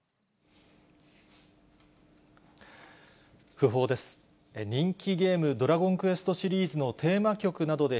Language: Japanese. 訃報です。